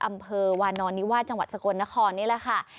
อำเภอวานอนนิวาสจังหวัดสกลนครนี่แหละค่ะ